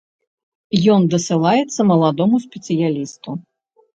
Ён дасылаецца маладому спецыялісту.